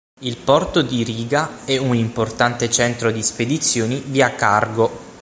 Il porto di Riga è un importante centro di spedizioni via cargo.